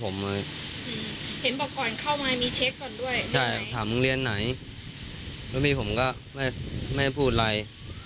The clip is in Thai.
และกลับทางฝั่งก็โรงพิจารณรัฐ